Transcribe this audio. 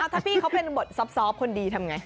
ถ้าพี่เขาเป็นบทซอฟต์คนดีทำไง